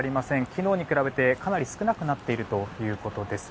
昨日に比べてかなり少なくなっているということです。